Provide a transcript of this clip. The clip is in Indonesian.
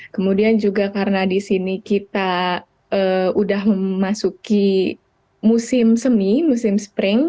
kemudian juga karena di sini kita sudah memasuki musim semi musim spring